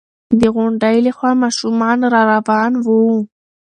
د غونډۍ له خوا ماشومان را روان وو.